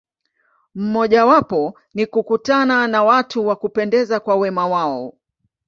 Mojawapo ni kukutana na watu wa kupendeza kwa wema wao.